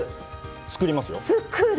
作りますよ作る！